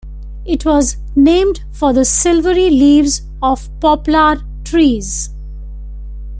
It was named for the silvery leaves of poplar trees.